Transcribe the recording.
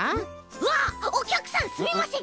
うわっおきゃくさんすみません！